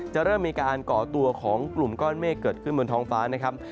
เริ่มมีการก่อตัวของกลุ่มก้อนเมฆเกิดขึ้นบนท้องฟ้านะครับ